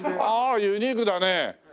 ああユニークだねえ。